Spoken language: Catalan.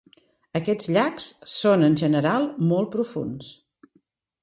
Aquests llacs són en general molt profunds.